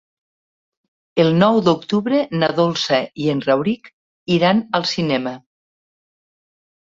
El nou d'octubre na Dolça i en Rauric iran al cinema.